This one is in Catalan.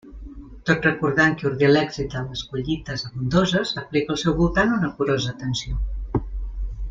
Tot recordant qui ordí l'èxit de les collites abundoses, aplica al seu voltant una curosa atenció.